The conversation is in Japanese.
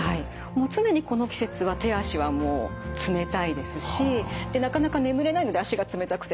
もう常にこの季節は手足はもう冷たいですしなかなか眠れないので足が冷たくて。